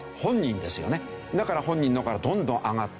だから本人だからどんどん上がっていく